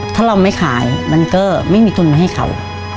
ถ้าเราไม่ขายมันก็ไม่มีทุนมาให้เขา